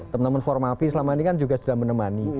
teman teman formapi selama ini kan juga sudah menemani